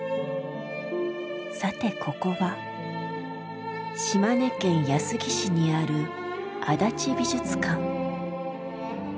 さてここは島根県安来市にある足立美術館。